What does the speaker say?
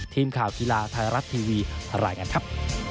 ทีมข่าวกีฬาไทยรัฐทีวีรายงานครับ